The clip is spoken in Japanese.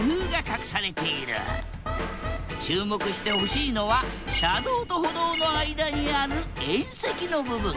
注目してほしいのは車道と歩道の間にある縁石の部分。